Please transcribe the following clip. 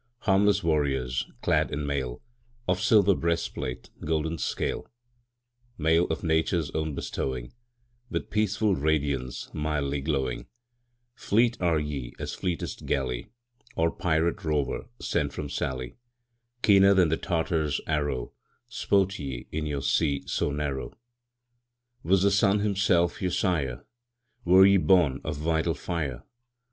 Harmless warriors, clad in mail Of silver breastplate, golden scale; Mail of Nature's own bestowing, With peaceful radiance, mildly glowing Fleet are ye as fleetest galley Or pirate rover sent from Sallee; Keener than the Tartar's arrow, Sport ye in your sea so narrow. Was the sun himself your sire? Were ye born of vital fire?